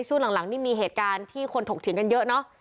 ช่วงหลังนี่มีเหตุการณ์ที่คนถกเถียงกันเยอะเนอะ